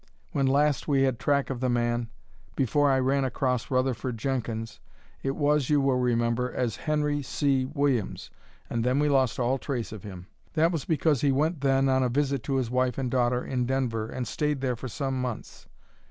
When last we had track of the man, before I ran across Rutherford Jenkins, it was, you will remember, as Henry C. Williams, and then we lost all trace of him. That was because he went then on a visit to his wife and daughter in Denver and stayed there for some months.